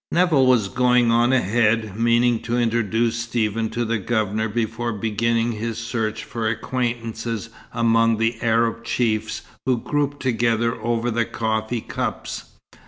Nevill was going on ahead, meaning to introduce Stephen to the Governor before beginning his search for acquaintances among the Arab chiefs who grouped together over the coffee cups.